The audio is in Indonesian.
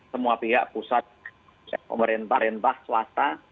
semua pihak pusat pemerintah rentah swasta